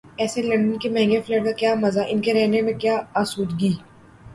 ایسے لندن کے مہنگے فلیٹ کا کیا مزہ، ان کے رہنے میں کیا آسودگی؟